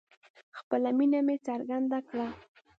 خپله مینه مې څرګنده کړه